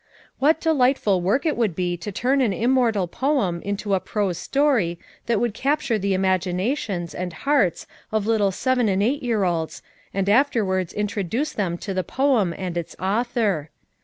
What delightful work it would be to turn an immortal poem into a prose story that would capture the imagina tions, and hearts of little seven and eight year olds, and afterwards introduce them to the poem and its author.